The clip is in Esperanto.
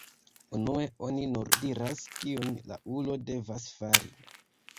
Unue oni nur diras, kiun la ulo devas fari.